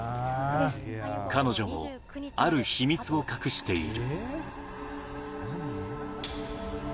彼女もある秘密を隠している。